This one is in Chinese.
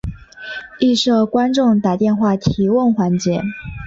亦设观众打电话提问环节。